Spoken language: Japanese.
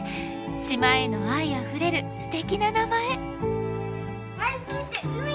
島への愛あふれるすてきな名前！